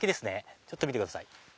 ちょっと見てください。